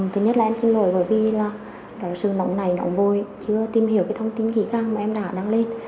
thứ nhất là em xin lỗi bởi vì sự nỗng nảy nỗng vôi chưa tìm hiểu thông tin kỹ càng mà em đã đăng lên